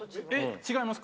違いますか？